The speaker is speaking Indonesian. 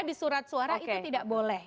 di surat suara itu tidak boleh